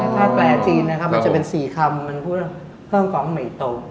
ถ้าแปลจีนมันจะเป็น๔คำมันพูดว่าเพิ่มกองเมตต์